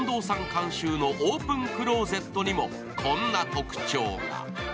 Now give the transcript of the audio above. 監修のオープンクロゼットにも、こんな特徴が。